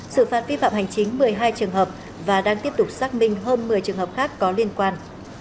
xử phạt vi phạm hành chính một mươi hai trường hợp và đang tiếp tục xác minh hơn một mươi trường hợp khác có liên quan